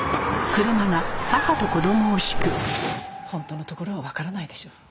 本当のところはわからないでしょ。